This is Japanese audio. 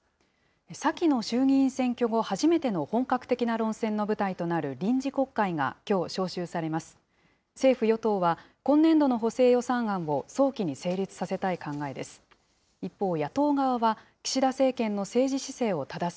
先の衆議院選挙後、初めての本格的な論戦の舞台となる臨時国会が、きょう召集されます。